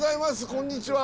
こんにちは。